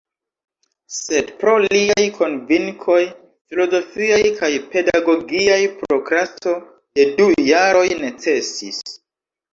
Sed pro liaj konvinkoj filozofiaj kaj pedagogiaj prokrasto de du jaroj necesis.